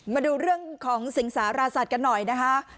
มาดูเรื่องของสิงสารสัตว์กันหน่อยนะคะ